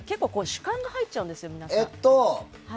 主観が入っちゃうんですよ、皆さん。